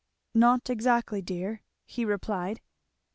"Not exactly, dear!" he replied.